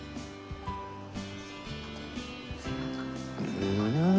うん。